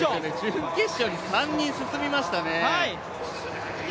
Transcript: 準決勝に３人進みましたね。